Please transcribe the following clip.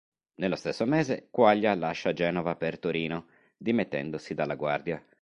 Nello stesso mese Quaglia lascia Genova per Torino, dimettendosi dalla Guardia.